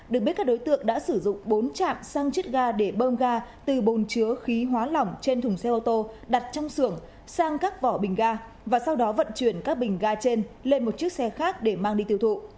được biết các đối tượng đã sử dụng bốn chạm san chết gà để bơm gà từ bồn chứa khí hóa lỏng trên thùng xe ô tô đặt trong xưởng sang các vỏ bình gà và sau đó vận chuyển các bình gà trên lên một chiếc xe khác để mang đi tiêu thụ